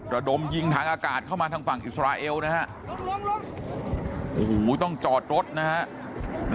ระดมยิงทางอากาศเข้ามาทางฝั่งอิสราเอลนะฮะโอ้โหต้องจอดรถนะฮะ